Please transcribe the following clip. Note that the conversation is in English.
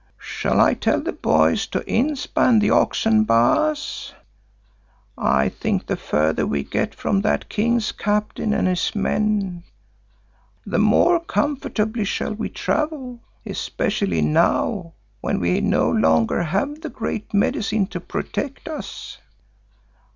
Shall I tell the boys to inspan the oxen, Baas? I think the further we get from that King's captain and his men, the more comfortably shall we travel, especially now when we no longer have the Great Medicine to protect us."